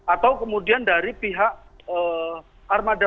atau kemudian dari pihak armada